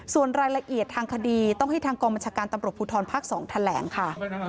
ส่วนรายละเอียดทางคดีต้องให้ทางกองบัญชาการตำรวจภูทรภาค๒แถลงค่ะ